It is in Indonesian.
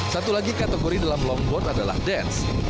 satu lagi kategori dalam longboard adalah dance